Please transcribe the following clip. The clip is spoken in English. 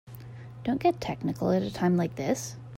Don't get technical at a time like this.